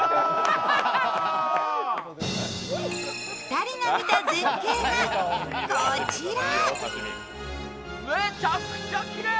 ２人が見た絶景が、こちら。